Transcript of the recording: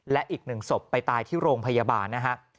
และอีก๑ศพไปตายที่โรงพยาบาลนะฮะ